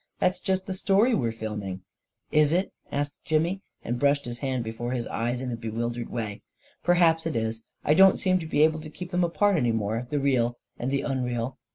" That's just the story we're filming." 268 A KING IN BABYLON " Is it? " asked Jimmy, and brushed his hand be fore his eyes in a bewildered way. " Perhaps it is — I don't seem to be able to keep them apart any more — the real and the unreal."